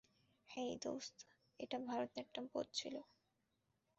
হে দোস্ত, এটা ভারতনাট্যম পোজ ছিল।